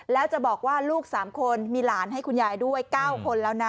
แล้วจะบอกว่าลูก๓คนมีหลานให้คุณยายด้วย๙คนแล้วนะ